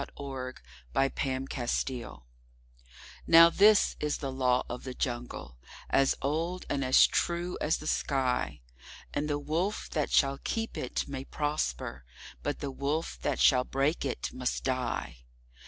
The Law of the Jungle NOW this is the Law of the Jungle—as old and as true as the sky; And the Wolf that shall keep it may prosper, but the Wolf that shall break it must die.